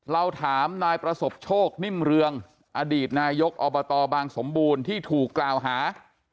เราถามนายประสบโชคนิ่มเรืองอดีตนายกอบตบางสมบูรณ์ที่ถูกกล่าวหา